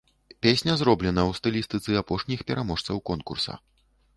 Песня зроблена ў стылістыцы апошніх пераможцаў конкурса.